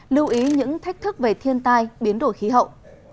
lưu ý những thách thức về thiên tai biến đổi khí hậu